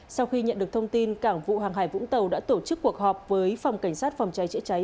sau khi nhận được thông tin cảng vụ hàng hải vũng tàu đã tổ chức cuộc họp với phòng cảnh sát phòng cháy chữa cháy